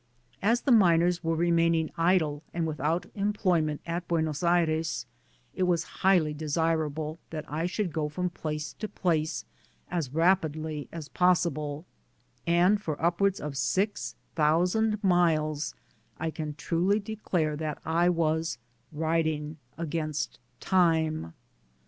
As the miners were remain ing idle and without employment at Buenos Aires, it was highly desirable that I should go from place to place as rapidly as possible, and for upwards of six thousand miles I can truly declare that I was riding against Time.